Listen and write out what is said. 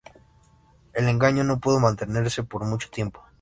El engaño no pudo mantenerse por mucho tiempo.